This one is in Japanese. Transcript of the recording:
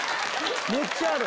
めっちゃある。